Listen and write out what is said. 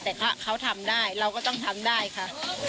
แต่ถ้าเขาทำได้เราก็ต้องทำได้ค่ะ